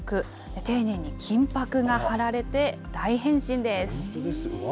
丁寧に金ぱくが貼られて、大変身です。